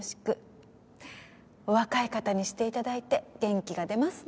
お若い方にして頂いて元気が出ますね。